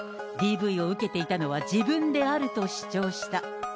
ＤＶを受けていたのは自分であると主張した。